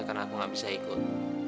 karena aku gak bisa ikut